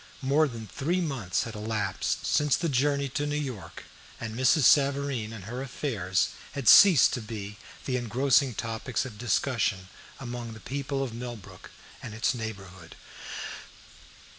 More than three months had elapsed since the journey to New York, and Mrs. Savareen and her affairs had ceased to be the engrossing topics of discussion among the people of Millbrook and its neighborhood.